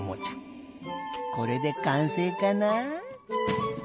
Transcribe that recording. これでかんせいかなあ？